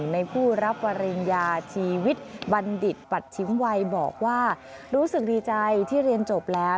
ในผู้รับปริญญาชีวิตบัณฑิตปัชชิมวัยบอกว่ารู้สึกดีใจที่เรียนจบแล้ว